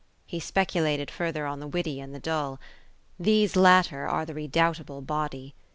He speculated further on the witty and the dull. These latter are the redoubtable body.